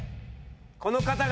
この方々。